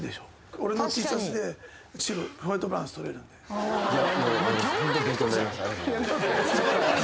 俺のＴシャツでホワイトバランス取れるんでいや